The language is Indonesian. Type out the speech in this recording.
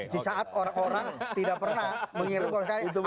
di saat orang orang tidak pernah mengirimkan itu